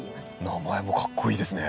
名前もかっこいいですね。